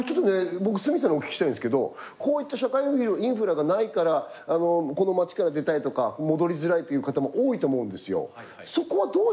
僕角さんにお聞きしたいんですけどこういった社会インフラがないからこの街から出たいとか戻りづらいっていう方も多いと思うんですよ。